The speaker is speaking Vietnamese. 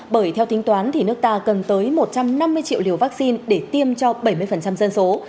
bởi theo tính toán thì nước ta cần tới một trăm năm mươi triệu liều vaccine để tiêm cho bảy mươi dân số